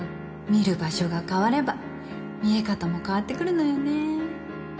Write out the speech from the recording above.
見る場所が変われば見え方も変わってくるのよね